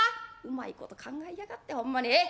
「うまいこと考えやがってほんまに。